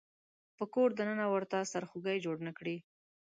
په کور د ننه ورته سرخوږی جوړ نه کړي.